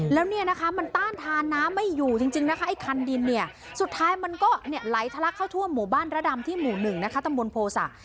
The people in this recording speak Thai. แล้วเนี่ยนะคะมันต้านทานน้ำไม่อยู่จริงนะคะไอ้คันดินเนี่ยสุดท้ายมันก็ไหลทะลักเข้าทั่วหมู่บ้านระดำที่หมู่๑นะคะตำบลโภษะ